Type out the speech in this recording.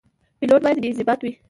پیلوټ باید باانضباط وي.